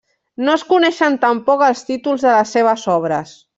No es coneixen tampoc els títols de les seves obres.